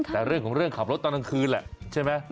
แต่เรื่องของเรื่องขับรถตอนกลางคืนแหละใช่ไหม